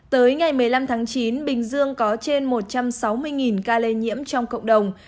tới ngày một mươi năm tháng chín bình dương có trên một trăm sáu mươi ca lây nhiễm trong cộng đồng